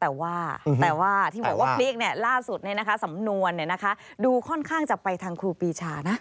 แต่ว่าปลีกนี่ล่าสุดนะสำนวนดูค่อนข้างจับไปทางครูปีชานะ